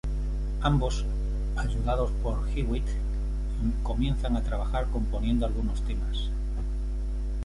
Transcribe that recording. Ambos, ayudados por Hewitt, comienzan a trabajar componiendo algunos temas.